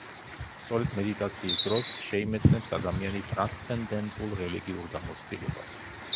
სწორედ მედიტაციის დროს შეიმეცნებს ადამიანი ტრანსცენდენტურ რელიგიურ გამოცდილებას.